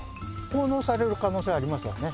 奉納される可能性はありますよね。